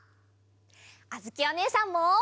あづきおねえさんも！